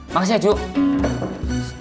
makasih ya cuk